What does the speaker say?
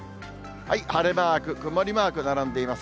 晴れマーク、曇りマーク、並んでいます。